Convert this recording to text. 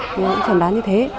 mọi người cũng chuẩn đoán như thế